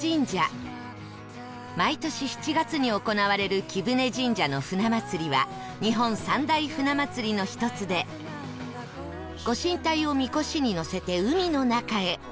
毎年７月に行われる貴船神社の船祭りは日本三大船祭りの一つでご神体を神輿にのせて海の中へ